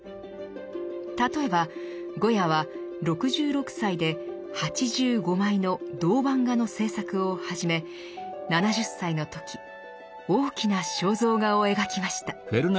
例えばゴヤは６６歳で８５枚の銅版画の制作を始め７０歳の時大きな肖像画を描きました。